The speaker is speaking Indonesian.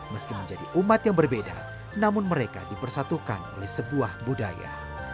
meski menjadi umat yang berbeda namun mereka dipersatukan oleh sebuah budaya